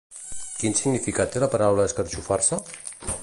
Quin significat té la paraula escarxofar-se?